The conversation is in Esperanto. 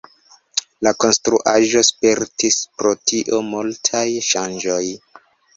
La konstruaĵo spertis pro tio multaj ŝanĝoj.